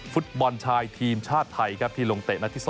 ฟุตบอลชายทีมชาติไทยครับที่ลงเตะนัดที่๒